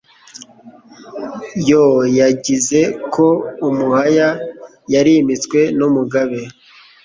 Yo yangize ko umuhaya Yarimitswe n’umugabe